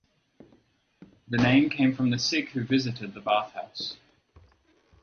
The name came from the sick who visited the bath house.